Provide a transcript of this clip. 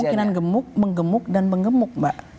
kemungkinan gemuk menggemuk dan menggemuk mbak